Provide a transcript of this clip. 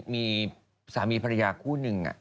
มีสามีภรรยาคู่หนึ่ง